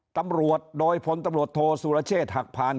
ตำรวจโดยพลตำรวจโทษสุรเชษฐ์หักผ่าน